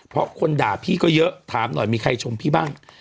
เพราะคนด่าพี่ก็เยอะถามหน่อยมีใครชมพี่บ้าง